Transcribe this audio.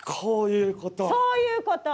こういうこと。